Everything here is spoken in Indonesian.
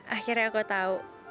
akhirnya aku tau